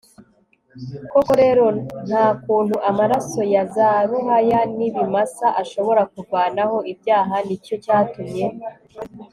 koko rero nta kuntu amaraso ya za ruhaya n'ibimasa ashobora kuvanaho ibyaha, nicyo cyatumye